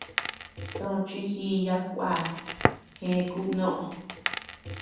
Tochi jììya kuaa, jee kubnoʼö.